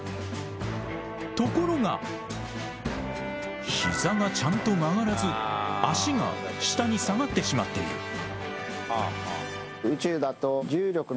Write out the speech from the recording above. ところが膝がちゃんと曲がらず脚が下に下がってしまっている。